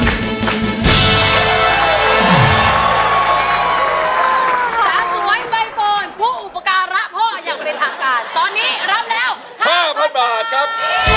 ตอนนี้รับแล้ว๕๐๐๐บาทครับ